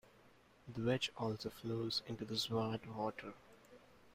The Vecht also flows into the Zwarte Water.